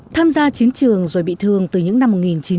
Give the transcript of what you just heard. tham gia chiến trường rồi bị thương từ những năm một nghìn chín trăm bảy mươi